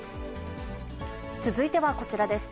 続いてはこちらです。